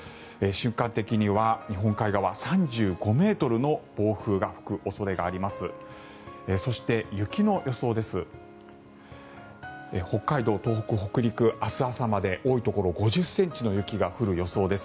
瞬間的には日本海側３５ｍの暴風が吹く恐れがあります。